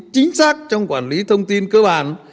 chính xác trong quản lý thông tin cơ bản